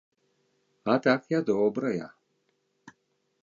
А так я добрая!